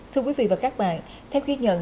thưa quý vị và các bạn theo ghi nhận